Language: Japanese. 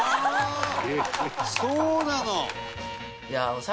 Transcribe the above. そうなの？